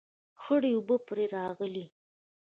خړې اوبه پرې راغلې